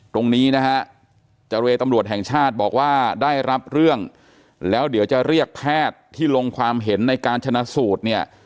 ตรงนี้นะฮะเจรตำรวจแห่งชาติบอกว่าได้รับเรื่องแล้วเดี๋ยวจะเรียกแพทย์ที่ลงความเห็นในการชนะสูตรเนี่ย